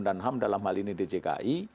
dan ham dalam hal ini djki